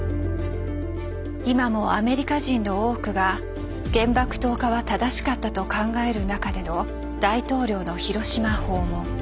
今もアメリカ人の多くが原爆投下は正しかったと考える中での大統領の広島訪問。